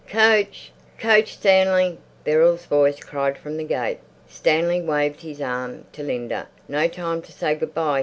"Coach! Coach, Stanley!" Beryl's voice cried from the gate. Stanley waved his arm to Linda. "No time to say good bye!"